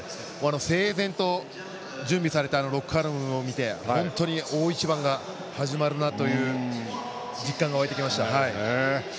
整然と準備されたロッカールームを見て本当に大一番が始まるなという実感が湧いてきました。